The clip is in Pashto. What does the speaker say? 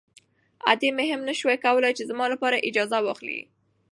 ادې مې هم نه شوای کولی چې زما لپاره اجازه واخلي.